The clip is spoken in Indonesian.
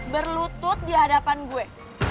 berlutut di hadapan gue